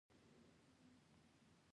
لنډه دا چې